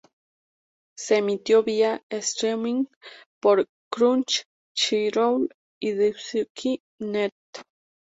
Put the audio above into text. Se emitió vía "streaming" por Crunchyroll y Daisuki.net.